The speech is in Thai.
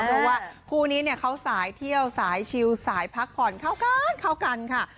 เพราะว่าคู่นี้เนี่ยเขาสายเที่ยวสายชิลสายพักผ่อนเข้ากันเข้ากันค่ะ